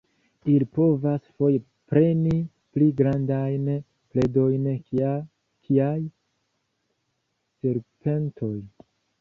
Ili povas foje preni pli grandajn predojn kiaj serpentoj.